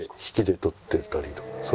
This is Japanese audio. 引きで撮ってたりとか。